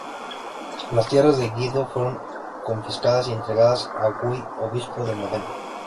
Las tierras de Guido fueron confiscadas y entregadas a Guy, obispo de Módena.